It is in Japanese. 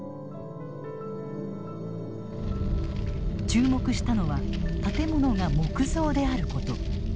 注目したのは建物が木造であること。